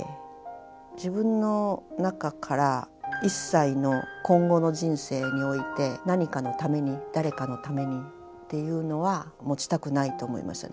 自分の中から一切の今後の人生において何かのために誰かのためにっていうのは持ちたくないと思いましたね。